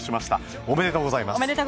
おめでとうございます。